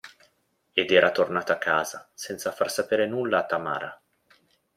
Ed era tornato a casa senza far sapere nulla a Tamara.